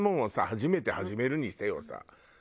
初めて始めるにせよさ。